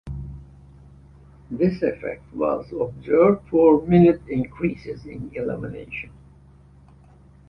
This effect was observed for minute increases in illumination.